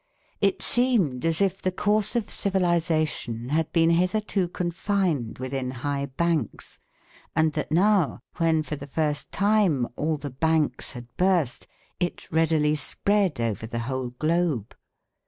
It seemed as if the course of civilisation had been hitherto confined within high banks and that now, when for the first time all the banks had burst, it readily spread over the whole globe.